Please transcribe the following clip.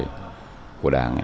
của trung ương đảng này